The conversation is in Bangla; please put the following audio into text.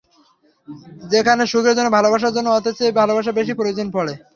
যেখানে সুখের জন্য ভালোবাসার জন্য অর্থের চেয়ে ভালোবাসা বেশি প্রয়োজন পড়ে।